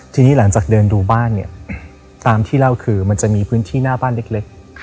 ทีนี้หลังจากเดินดูบ้านเนี่ยตามที่เล่าคือมันจะมีพื้นที่หน้าบ้านเล็ก